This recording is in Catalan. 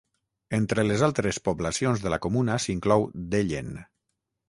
Entre les altres poblacions de la comuna s'inclou Dellen.